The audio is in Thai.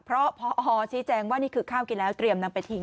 เพราะพอชี้แจงว่านี่คือข้าวกินแล้วเตรียมนำไปทิ้ง